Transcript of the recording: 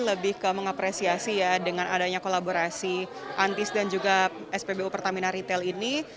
lebih ke mengapresiasi ya dengan adanya kolaborasi antis dan juga spbu pertamina retail ini